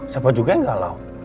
siapa juga yang galau